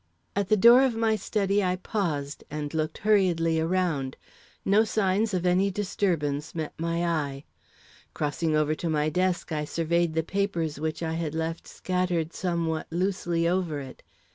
At the door of my study I paused and looked hurriedly around. No signs of any disturbance met my eye. Crossing over to my desk, I surveyed the papers which I had left scattered somewhat loosely over it.